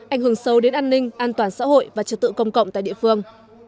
ảnh hưởng sâu đến an ninh an toàn xã hội và trật tự công cộng tại địa phương